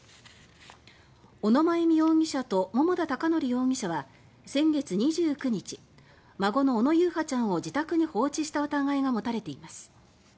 小野真由美容疑者と桃田貴徳容疑者は先月２９日孫の小野優陽ちゃんを自宅に放置した疑いが持たれています。